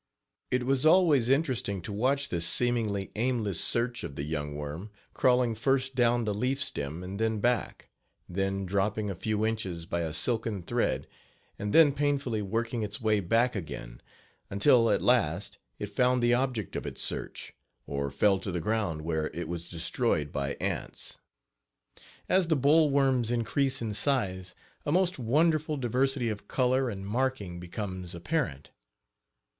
It was always interesting to watch this seemingly aimless search of the young worm, crawling first down the leaf stem and then back, then dropping a few inches by a silken thread and then painfully working its way back again, until, at last, it found the object of its search, or fell to the ground where it was destroyed by ants. As the boll worms increase in size a most wonderful diversity of color and marking becomes apparent.